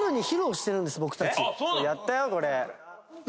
やったよこれ。